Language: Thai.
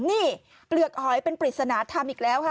นี่เปลือกหอยเป็นปริศนาธรรมอีกแล้วค่ะ